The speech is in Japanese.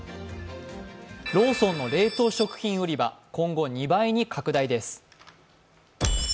ローソンの冷凍食品売り場、今後、２倍に拡大です。